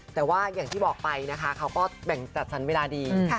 แต่ว่าอย่างที่บอกไปนะคะเขาก็แบ่งจัดสรรเวลาดี